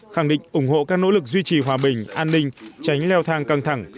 khẳng định ủng hộ các nỗ lực duy trì hòa bình an ninh tránh leo thang căng thẳng